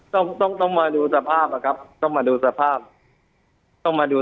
ต้องต้องมาดูสภาพอะครับต้องมาดูสภาพต้องมาดู